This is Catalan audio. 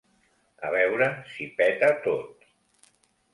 A veure si peta tot.